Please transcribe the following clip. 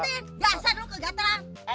lu jalan gua dulu bang